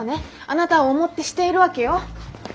あなたを思ってしているわけよ。